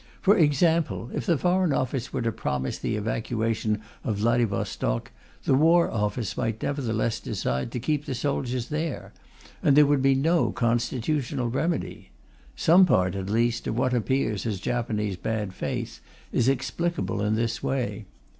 For example, if the Foreign Office were to promise the evacuation of Vladivostok, the War Office might nevertheless decide to keep the soldiers there, and there would be no constitutional remedy. Some part, at least, of what appears as Japanese bad faith is explicable in this way.